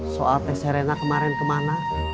soal teh serena kemarin kemana